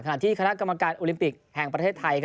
ที่คณะกรรมการโอลิมปิกแห่งประเทศไทย